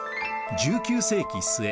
１９世紀末